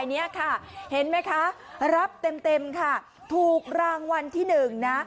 อันนี้ค่ะเห็นไหมคะรับเต็มค่ะถูกรางวัลที่หนึ่งนะ